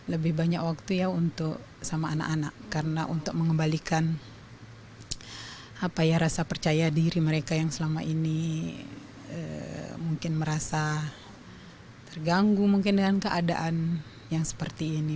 lebih banyak waktu ya untuk sama anak anak karena untuk mengembalikan rasa percaya diri mereka yang selama ini mungkin merasa terganggu mungkin dengan keadaan yang seperti ini